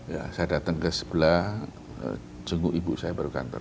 ya saya datang ke sebelah jenguk ibu saya baru kantor